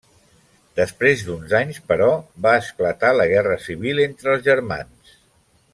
Després d'uns anys, però, va esclatar la guerra civil entre els germans.